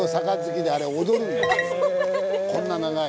こんな長い。